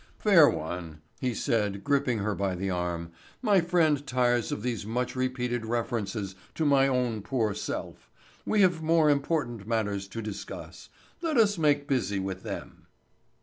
"Fair one," he said, gripping her by the arm, "my friend tires of these much repeated references to my own poor self. We have more important matters to discuss. Let us make busy with them."